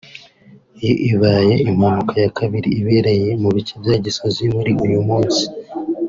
Iyi ibaye impanuka ya kabiri ibereye mu bice bya Gisozi muri uyu munsi